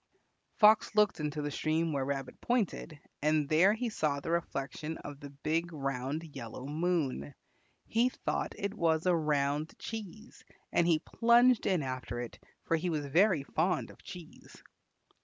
Fox looked into the stream where Rabbit pointed, and there he saw the reflection of the big round yellow moon. He thought it was a round cheese, and he plunged in after it, for he was very fond of cheese.